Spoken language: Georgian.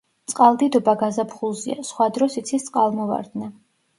წყალდიდობა გაზაფხულზეა, სხვა დროს იცის წყალმოვარდნა.